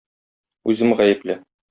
Үзем гаепле.